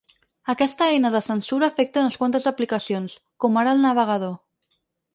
Aquesta eina de censura afecta unes quantes aplicacions, com ara el navegador.